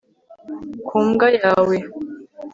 ku mbwa yawe